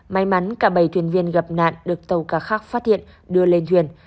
may mắn cả bảy thuyền viên gặp nạn được tàu cá khác phát hiện đưa lên thuyền